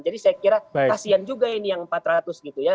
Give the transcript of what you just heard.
jadi saya kira kasian juga ini yang empat ratus gitu ya